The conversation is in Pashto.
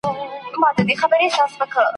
زما د آه جنازه څه سوه؟ ..